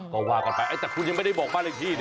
ก็ว่ากันไปแต่คุณยังไม่ได้บอกบ้านเลขที่ดิ